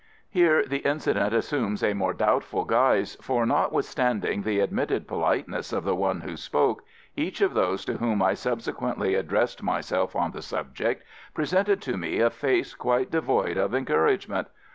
Here the incident assumes a more doubtful guise, for, notwithstanding the admitted politeness of the one who spoke, each of those to whom I subsequently addressed myself on the subject, presented to me a face quite devoid of encouragement.